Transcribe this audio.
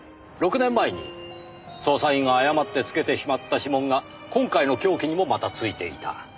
６年前に捜査員が誤って付けてしまった指紋が今回の凶器にもまた付いていた。